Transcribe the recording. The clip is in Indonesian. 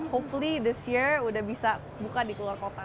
hopefully this year udah bisa buka di luar jakarta